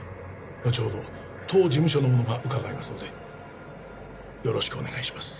後ほど当事務所の者が伺いますのでよろしくお願いします。